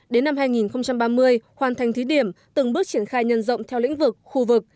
đến năm hai nghìn ba mươi hoàn thành thí điểm từng bước triển khai nhân rộng theo lĩnh vực khu vực